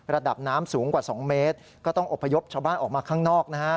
ระดับน้ำสูงกว่า๒เมตรก็ต้องอบพยพชาวบ้านออกมาข้างนอกนะฮะ